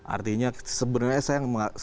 artinya sebenarnya saya sangat menghargai